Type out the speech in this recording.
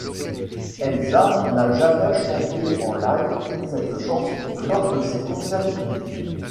Elsa n'a jamais chanté en live cette chanson lors de ses concerts publics.